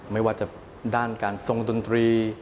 ไม่ว่าจะด้านการทรงดนตรี